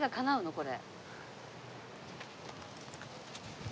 これ。